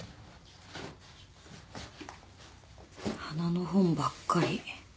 花の本ばっかり。